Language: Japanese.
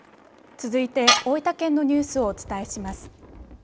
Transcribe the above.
続いて大分県のニュースをお伝えします。